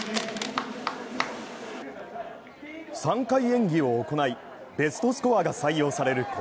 ３回演技を行い、ベストスコアが採用される